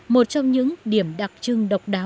một trong những điểm đặc trưng của chiếc quạt này